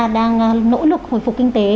đang nỗ lực hồi phục kinh tế